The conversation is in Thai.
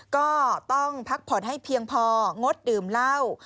ก็ต้องพักผ่อนให้เพียงพองดดื่มเหล้า